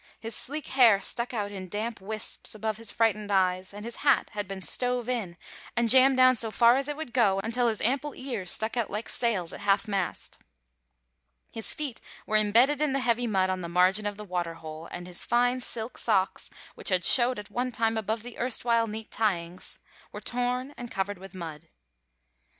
His sleek hair stuck out in damp wisps about his frightened eyes, and his hat had been "stove in" and jammed down as far as it would go until his ample ears stuck out like sails at half mast. His feet were imbedded in the heavy mud on the margin of the water hole, and his fine silk socks, which had showed at one time above the erstwhile neat tyings, were torn and covered with mud.